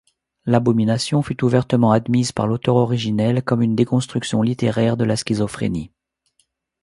L'abomination fut ouvertement admise par l'auteur originel comme une déconstruction littéraire de la schizophrénie.